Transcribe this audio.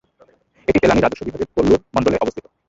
এটি তেনালি রাজস্ব বিভাগের কোল্লুর মণ্ডলে অবস্থিত।